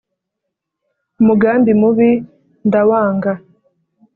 umugambi mubi ndawanga